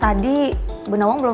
saya pikir dipindah ke bidang pribon